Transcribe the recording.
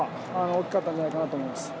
大きかったんじゃないかと思います。